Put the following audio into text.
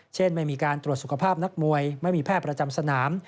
ไม่มีการตรวจสุขภาพนักมวยไม่มีแพทย์ประจำสนาม